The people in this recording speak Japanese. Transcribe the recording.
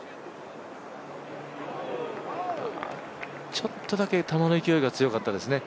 ちょっとだけ球の勢いが強かったですね。